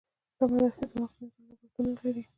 دا مدرسې د مغزو مینځلو لابراتوارونه لري.